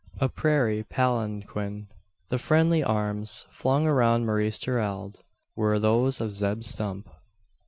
A PRAIRIE PALANQUIN. The friendly arms, flung around Maurice Gerald, were those of Zeb Stump.